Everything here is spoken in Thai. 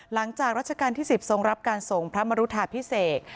หลังจากรัชกาลที่๑๐ทรงรับการส่งพระมรุธาพิเศษ